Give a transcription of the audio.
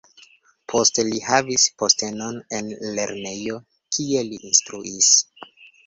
Poste li havis postenon en lernejo, kie li instruis.